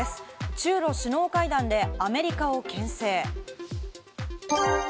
中露首脳会談でアメリカをけん制。